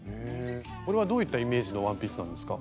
これはどういったイメージのワンピースなんですか？